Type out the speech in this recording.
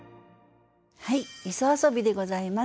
はい「磯遊」でございます。